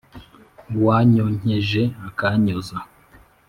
uwanyonkeje akanyoza